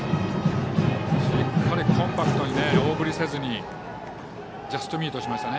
しっかりコンパクトに大振りせずにジャストミートしましたね。